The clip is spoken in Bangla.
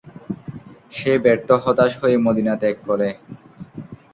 সে ব্যর্থ-হতাশ হয়ে মদীনা ত্যাগ করে।